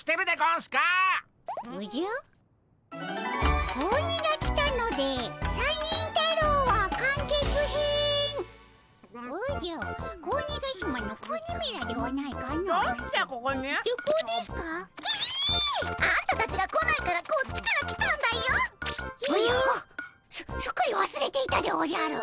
すすっかりわすれていたでおじゃる。